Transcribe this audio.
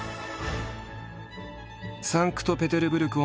サンクトペテルブルク